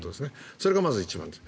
それがまず一番です。